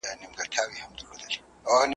نه د چا په حلواګانو کي لوبیږو `